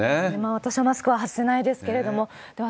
私もマスクは外せないですけれども、では、